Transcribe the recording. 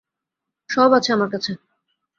সব আছে আমার কাছে।